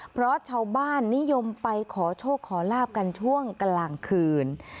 เพราะชาวบ้านนิยมไปขอโชคขอลาบกันช่วงกลางคืน